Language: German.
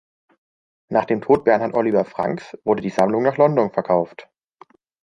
Nach dem Tod Bernhard Olivier Franks wurde die Sammlung nach London verkauft.